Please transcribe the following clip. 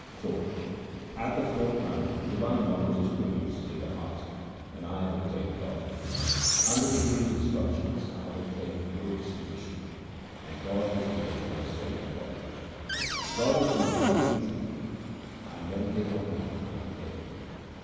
IV At the fourth round divine knowledge is produced in the heart, and I have obtained God. Under the Guru's instructions I have obtained a good disposition, and God is dear to my soul and body : God is dear and pleasing to me ; I meditate on Him night and day.